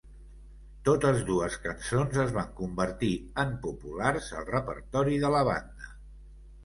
Totes dues cançons es van convertir en populars al repertori de la banda.